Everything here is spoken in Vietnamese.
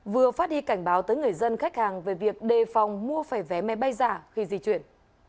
vừa phát đi cảnh báo tới người dân khách hàng về việc đề phòng mua phải vé máy bay giả khi di chuyển